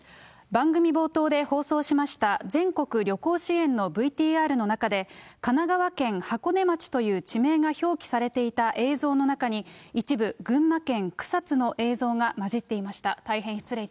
番組冒頭で放送しました全国旅行支援のＶＴＲの中で、神奈川県箱根町という地名が表記されていた映像の中に、一部、群馬県草津の映像が混じっていました。